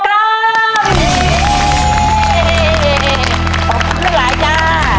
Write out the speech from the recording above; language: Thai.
เย้ขอบคุณมากหลายหญ้า